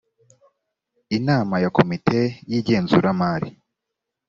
inama ya komite y igenzura mari